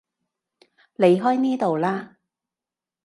離開呢度啦